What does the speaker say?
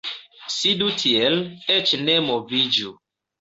Sidu tiel, eĉ ne moviĝu.